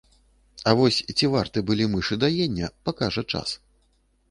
А вось ці варты былі мышы даення, пакажа час.